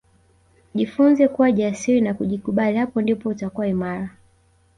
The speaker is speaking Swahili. Jifunze kuwa jasiri na kujikubali hapo ndipo utakuwa imara